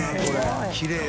◆舛きれい。